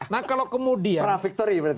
nah kalau kemenangan itu kita lakukan sekarang